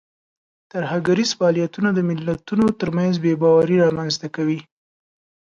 ترهګریز فعالیتونه د ملتونو ترمنځ بې باوري رامنځته کوي.